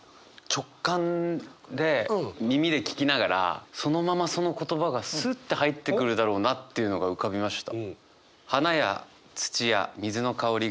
直感で耳で聞きながらそのままその言葉がスッて入ってくるだろうなっていうのが浮かびました。